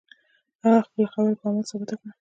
هغه خپله خبره په عمل کې ثابته کړه.